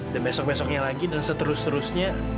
dan besok besoknya lagi dan seterus terusnya